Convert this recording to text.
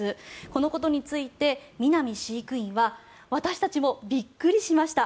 このことについて、南飼育員は私たちもびっくりしました。